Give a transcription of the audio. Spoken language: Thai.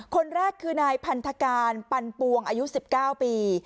คนแรกคือนายพันธการปันปวงอายุ๑๙ปี